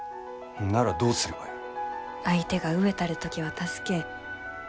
ならどうすればよい。